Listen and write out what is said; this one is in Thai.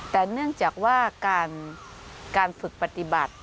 แต่เนื่องจากว่าการฝึกปฏิบัติ